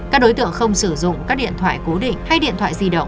các đối tượng không sử dụng các điện thoại cố định hay điện thoại di động